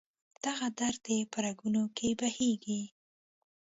دغه درد دې په رګونو کې بهیږي